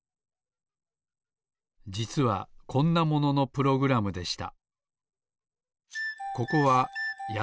じつはこんなもののプログラムでした。